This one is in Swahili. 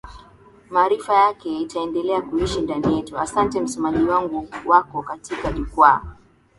Maarifa yake itaendelea kuishi ndani yetu Ahsante msomaji wanguWako katika Jukwaa